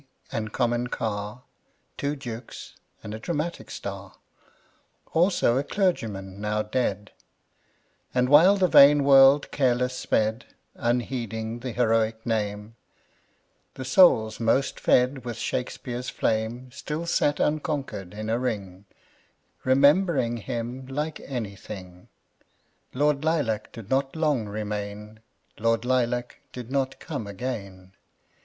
and Comyn Carr Two dukes and a dramatic star, Also a clergy man now dead; And while the vain world careless sped Unheeding the heroic name The souls most fed with Shakespeare's flame Still sat unconquered in a ring, Remembering him like anything. Lord Lilac did not long remain, Lord Lilac did not some again.